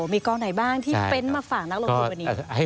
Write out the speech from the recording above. มีกองไหนบ้างที่เฟ้นต์มาฝากนักลงทุนวันนี้